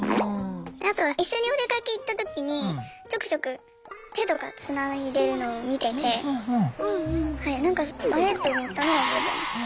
あとは一緒にお出かけ行ったときにちょくちょく手とかつないでるのを見ててなんか「あれ？」って思ったのは覚えてます。